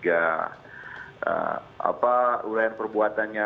apa uraian perbuatannya